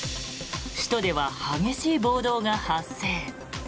首都では激しい暴動が発生。